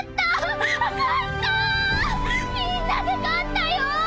みんなで勝ったよ！